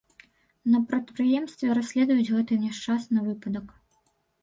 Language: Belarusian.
На прадпрыемстве расследуюць гэты няшчасны выпадак.